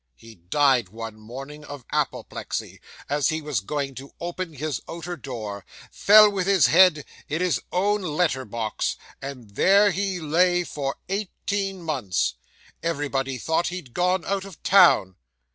He died one morning of apoplexy, as he was going to open his outer door. Fell with his head in his own letter box, and there he lay for eighteen months. Everybody thought he'd gone out of town.